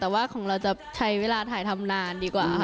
แต่ว่าของเราจะใช้เวลาถ่ายทำนานดีกว่าค่ะ